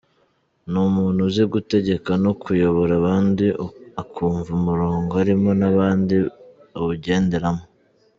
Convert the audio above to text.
Ni umuntu uzi gutegeka no kuyobora abandi akumva umurongo arimo n’abandi bawugenderamo.